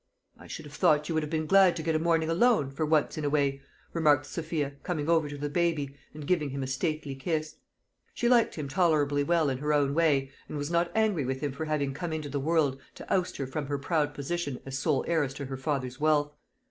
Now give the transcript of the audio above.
"I should have thought you would have been glad to get a morning alone, for once in a way," remarked Sophia, coming over to the baby, and giving him a stately kiss. She liked him tolerably well in her own way, and was not angry with him for having come into the world to oust her from her proud position as sole heiress to her father's wealth.